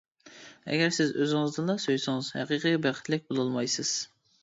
ئەگەر، سىز ئۆزىڭىزنىلا سۆيسىڭىز، ھەقىقىي بەختلىك بولالمايسىز.